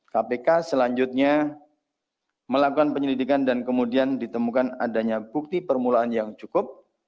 kpk selanjutnya melakukan penyelidikan dan kemudian ditemukan adanya bukti permulaan yang cukup